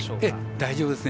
大丈夫ですね。